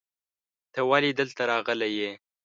ته ولې دلته راغلی یې؟